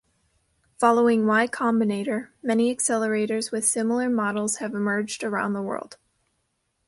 Following Y Combinator, many accelerators with similar models have emerged around the world.